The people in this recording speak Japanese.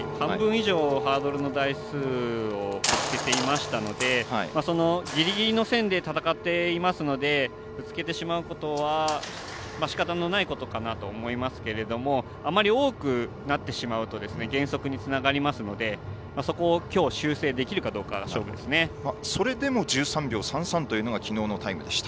そうですね、半分以上のハードルにぶつけていましたのでぎりぎりの線で戦っていますのでぶつけてしまうことはしかたのないことかなと思いますけれどもあまり多くなってしまうと減速につながりますのでそこをきょう修正できるかどうかそれでも１３秒３３というのがきのうのタイムでした。